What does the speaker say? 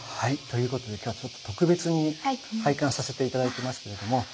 ということで今日は特別に拝観させて頂いてますけれども。